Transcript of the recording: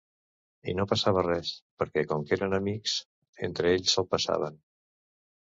I no passava res, perquè com que eren amics, entre ells se'l passaven.